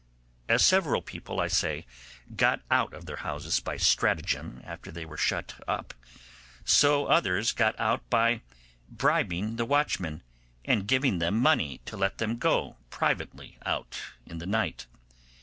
As several people, I say, got out of their houses by stratagem after they were shut up, so others got out by bribing the watchmen, and giving them money to let them go privately out in the night.